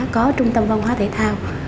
có trung tâm văn hóa thể thao